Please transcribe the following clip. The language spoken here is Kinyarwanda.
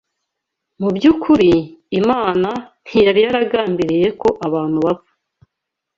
Mu by’ukuri, Imana ntiyari yaragambiriye ko abantu bapfa